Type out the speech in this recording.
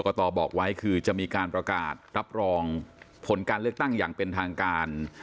ตอบอกไว้คือจะมีการประกาศรับรองผลการเลือกตั้งอย่างเป็นทางการ